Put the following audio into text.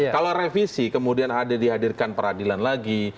kalau revisi kemudian ada dihadirkan peradilan lagi